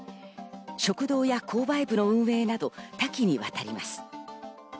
食堂や購買部の運営など多岐にわたります。